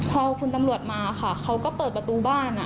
พอคุณตำรวจมาค่ะเขาก็เปิดประตูบ้าน